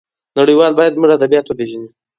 نړيوال بايد زموږ ادبيات وپېژني.